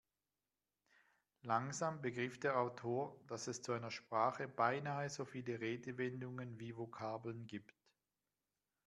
Langsam begriff der Autor, dass es zu einer Sprache beinahe so viele Redewendungen wie Vokabeln gibt.